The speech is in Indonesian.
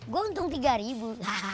gua untung tiga ribu